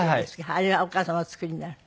あれはお母様お作りになるの？